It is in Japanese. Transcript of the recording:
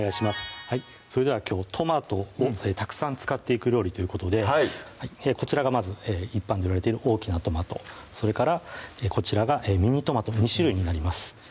それではきょうトマトをたくさん使っていく料理ということでこちらがまず一般で売られている大きなトマトそれからこちらがミニトマト２種類になります